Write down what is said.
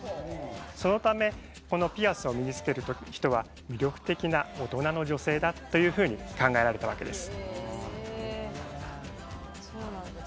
そのためこのピアスを身につける人は魅力的な大人の女性だと考えられたわけです。